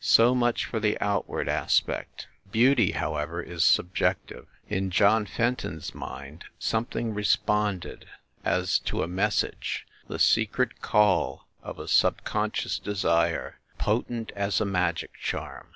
So much for the outward aspect. Beauty, however, is subjective. In John Fenton s mind something responded as to a message the secret call of a subconscious desire potent as a magic charm.